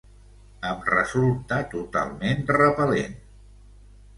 Em resulta totalment repel·lent.